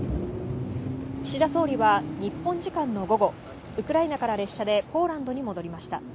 岸田総理は日本時間の午後、ウクライナから列車でポーランドに戻りました。